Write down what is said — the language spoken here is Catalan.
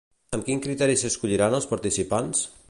Amb quin criteri s'escolliran els participants?